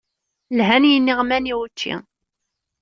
Lhan yiniɣman i wučči.